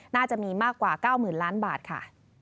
น่าจะมีมากกว่า๙๐๐๐ล้านบาทค่ะ